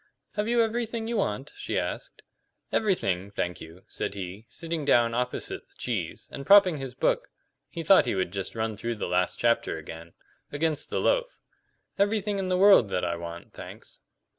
"Have you everything you want?" she asked. "Everything, thank you," said he, sitting down opposite the cheese, and propping his book (he thought he would just run through the last chapter again) against the loaf; "everything in the world that I want, thanks."